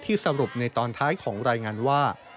สรุปในตอนท้ายของรายงานว่า